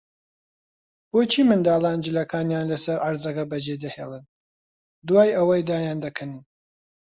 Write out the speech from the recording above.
بۆچی منداڵان جلەکانیان لەسەر عەرزەکە بەجێدەهێڵن، دوای ئەوەی دایاندەکەنن؟